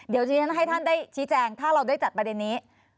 เดี๋ยวที่ฉันให้ท่านได้ชี้แจงถ้าเราได้จัดประเด็นนี้